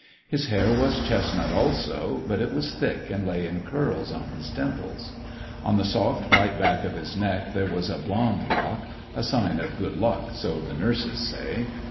His hair was chestnut also, but it was thick and lay in curls on his temples. On the soft white back of his neck there was a blond lock ; a sign of good luck, so the nurses say.